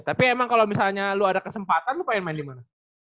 tapi emang kalau misalnya lu ada kesempatan lu mau main di mana